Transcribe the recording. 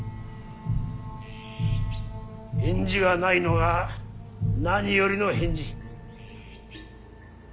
返事がないのが何よりの返事。